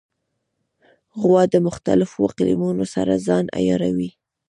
غوا د مختلفو اقلیمونو سره ځان عیاروي.